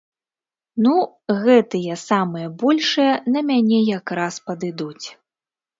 Ну, гэтыя самыя большыя на мяне якраз падыдуць!